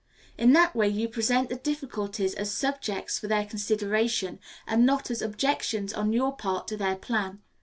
In that way you present the difficulties as subjects for their consideration, and not as objections on your part to their plan.